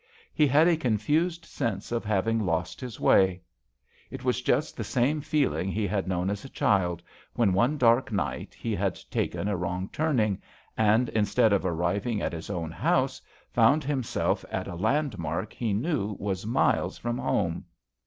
He had a confused sense of ;having lost his way. It was just the same feeling he had known as a child, when one dark night he had taken a wrong turning, and instead of arriving at his own house, found himself rt a landmark he knew was niles from home.